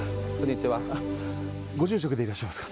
ご住職でいらっしゃいますか。